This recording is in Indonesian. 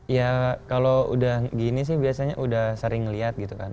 ya kalau udah gini sih biasanya udah sering ngeliat gitu kan